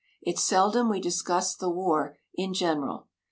It's seldom we discuss the war in general.